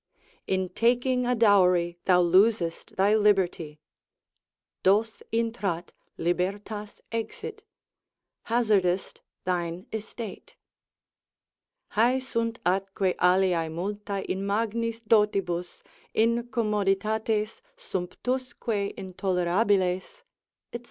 In taking a dowry thou losest thy liberty, dos intrat, libertas exit, hazardest thine estate. Hae sunt atque aliae multae in magnis dotibus Incommoditates, sumptusque intolerabiles, &c.